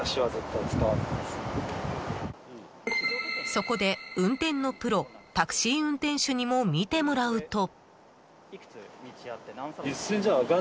そこで運転のプロタクシー運転手にも見てもらうと。